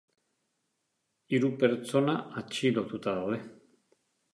Hiru pertsona atxilotuta daude.